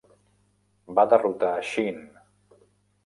Va derrotar Shinn.